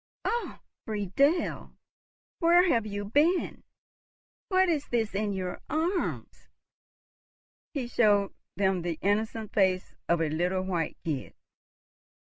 — "Oh, Friedel, where have you been? What is this in your arms?" He showed them the innocent face of a little white kid.